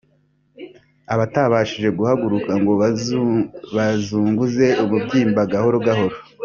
Abatabashije guhaguruka ngo bazunguze umubyimba gahoro gahoro